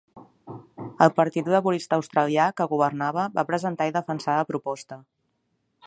El Partit Laborista Australià, que governava, va presentar i defensar la proposta.